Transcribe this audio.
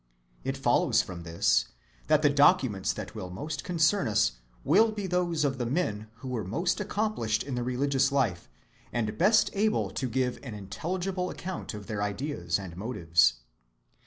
It follows from this that the documents that will most concern us will be those of the men who were most accomplished in the religious life and best able to give an intelligible account of their ideas and motives.